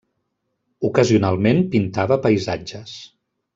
Ocasionalment pintava paisatges.